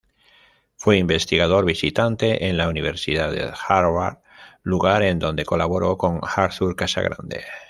Fue investigador visitante en la Universidad Harvard, lugar en donde colaboró con Arthur Casagrande.